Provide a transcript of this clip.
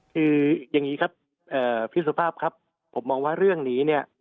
คืออย่างนี้ครับพี่สุภาพครับผมมองว่าเรื่องนี้เนี่ย